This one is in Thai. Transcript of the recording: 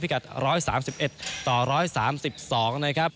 กัด๑๓๑ต่อ๑๓๒นะครับ